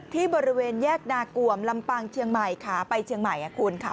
ที่บริเวณแยกนากวมลำปางเชียงใหม่ขาไปเชียงใหม่คุณค่ะ